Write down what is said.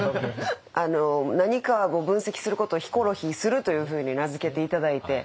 何か分析することを「ヒコロヒーする」というふうに名付けて頂いて。